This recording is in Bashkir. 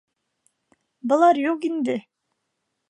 Былар юҡ инде!